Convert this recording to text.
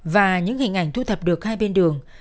và những hình ảnh thu thập được hai bên đường